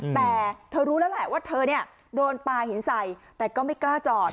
แต่เธอรู้แล้วแหละว่าเธอเนี่ยโดนปลาหินใส่แต่ก็ไม่กล้าจอด